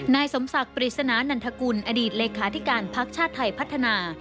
นายสมศักดิ์ปริศนานันทกุลอดีตเลขาธิการภักดิ์ชาติไทยพัฒนา